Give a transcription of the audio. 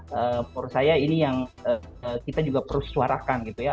menurut saya ini yang kita juga perlu suarakan gitu ya